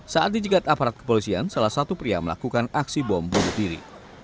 saat dijegat aparat kepolisian salah satu pria melakukan aksi bom bunuh diri